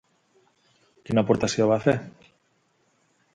Quina aportació va fer?